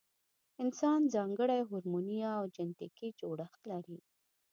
انسان ځانګړی هورموني او جنټیکي جوړښت لري.